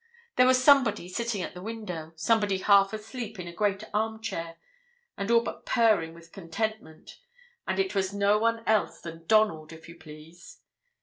There was somebody sitting at the window somebody half asleep in a great arm chair, and all but purring with contentment, and it was no one else than Donald, if you please.